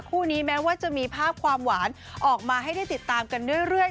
คู่นี้แม้ว่าจะมีภาพความหวานออกมาให้ได้ติดตามกันเรื่อย